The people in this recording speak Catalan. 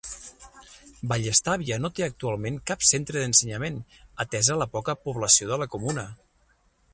Vallestàvia no té actualment cap centre d'ensenyament, atesa la poca població de la comuna.